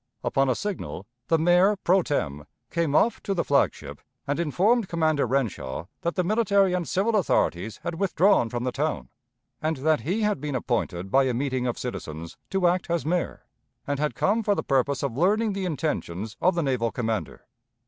Upon a signal, the Mayor pro tem, came off to the flag ship and informed Commander Renshaw that the military and civil authorities had withdrawn from the town, and that he had been appointed by a meeting of citizens to act as mayor, and had come for the purpose of learning the intentions of the naval commander.